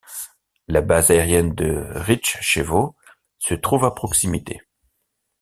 La base aérienne de Rtichtchevo se trouve à proximité.